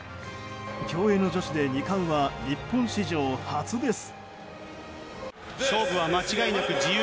競泳の女子で２冠は日本史上初です。